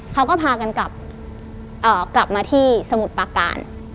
เขาก็พากันกลับเอ่อกลับมาที่สมุดปากกาล